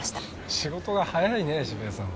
仕事が早いねえ渋谷さんは。